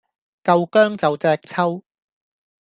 夠薑就隻揪